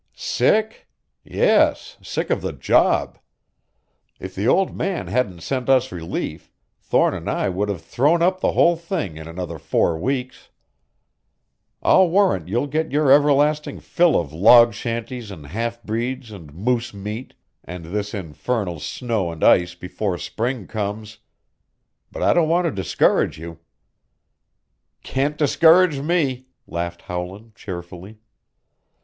"Sick? yes, sick of the job! If the old man hadn't sent us relief Thorne and I would have thrown up the whole thing in another four weeks. I'll warrant you'll get your everlasting fill of log shanties and half breeds and moose meat and this infernal snow and ice before spring comes. But I don't want to discourage you." "Can't discourage me!" laughed Howland cheerfully.